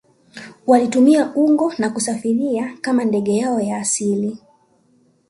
Walitumia ungo kusafiria kama ndege yao ya asili